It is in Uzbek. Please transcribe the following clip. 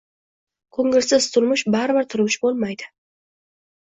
Ko‘ngilsiz turmush baribir turmush bo‘lmaydi